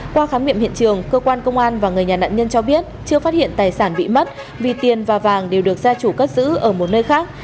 qua khám nghiệm hiện trường cơ quan công an và người nhà nạn nhân cho biết chưa phát hiện tài sản bị mất vì tiền và vàng đều được gia chủ cất giữ ở một nơi khác